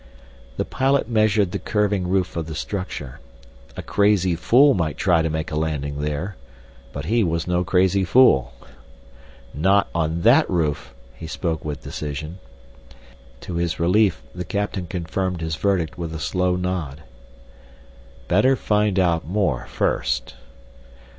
The pilot measured the curving roof of the structure. A crazy fool might try to make a landing there. But he was no crazy fool. "Not on that roof!" he spoke with decision. To his relief the captain confirmed his verdict with a slow nod. "Better find out more first."